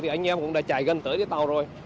thì anh em cũng đã chạy gần tới cái tàu rồi